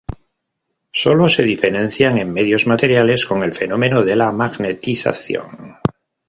Solo se diferencian en medios materiales con el fenómeno de la magnetización.